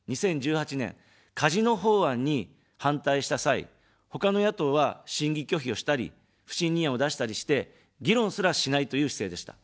２０１８年、カジノ法案に反対した際、ほかの野党は審議拒否をしたり、不信任案を出したりして、議論すらしないという姿勢でした。